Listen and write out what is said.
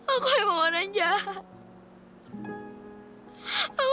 aku emang orang jahat